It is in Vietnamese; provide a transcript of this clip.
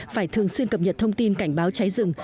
phải thường xuyên cập nhật thông tin cảnh báo cháy rừng